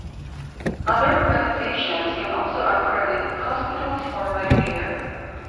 Other organizations can also accredit hospitals for Medicare.